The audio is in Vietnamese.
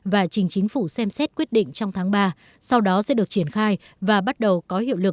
và chính chính phủ xem xét quyết định trong tháng ba sau đó sẽ được triển khai và bắt đầu có hiệu lực từ tháng bốn